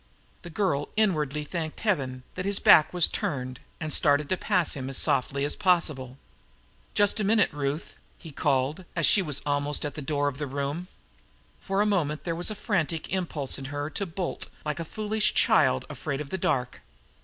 The girl inwardly thanked Heaven that his back was turned and started to pass him as softly as possible. "Just a minute, Ruth," he called, as she was almost at the door of the room. For a moment there was a frantic impulse in her to bolt like a foolish child afraid of the dark.